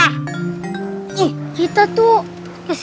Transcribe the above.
apaan sih dateng dateng ngagetin aja